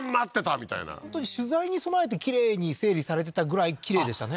みたいな本当に取材に備えてきれいに整理されてたぐらいきれいでしたね